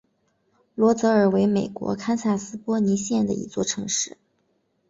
罗泽尔为美国堪萨斯州波尼县的一座城市。